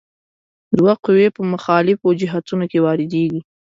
دوه قوې په مخالفو جهتونو کې واردیږي.